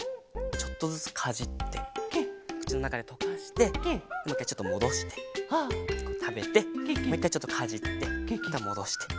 ちょっとずつかじってくちのなかでとかしてもういっかいちょっともどしてたべてもういっかいちょっとかじってまたもどして。